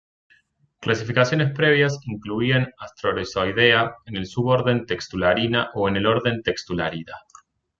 Clasificaciones previas incluían Astrorhizoidea en el suborden Textulariina o en el orden Textulariida.